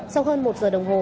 sau hơn một giờ đồng hồ